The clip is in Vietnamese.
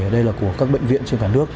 đây là của các bệnh viện trên cả nước